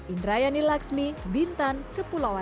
indrayani laksmi bintan kepulauan